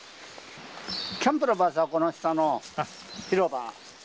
キャンプの場所はこの下の広場。